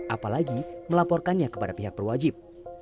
apalagi melaporkannya kepada pihak berwajib